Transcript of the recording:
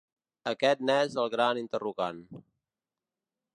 Aquest n’és el gran interrogant.